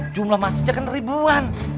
jumlah masihnya keteribuan